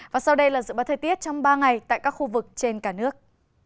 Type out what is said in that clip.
và sau đây là dự bá thời tiết trong ba ngày tại các khu vực trên cả nước